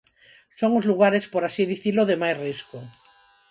Son os lugares, por así dicilo, de máis risco.